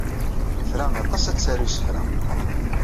Tra aṭas ad taru isefra.